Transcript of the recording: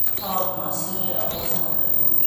თავადმა ასევე ააგო სამრეკლოც.